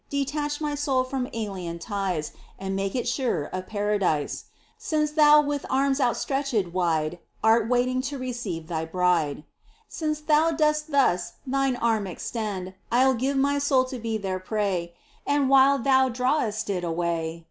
Detach my soul from alien ties And make it sure of Paradise, Since Thou with arms outstretched wide Art waiting to receive Thy bride. Since Thou dost thus Thine arms extend I'll give my soul to be their prey, And while Thou drawest it away.